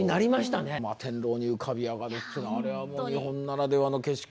摩天楼に浮かび上がるっていうのはあれはもう日本ならではの景色。